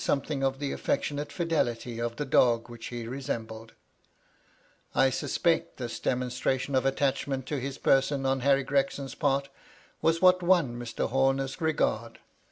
243 something of the affectionate fidelity of the dog which he resembled^ I suspect, this demonstration of attach ment to his person on Harry Gregson's part was what won Mr. Horner's regard.